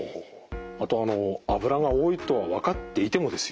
あと脂が多いとは分かっていてもですよ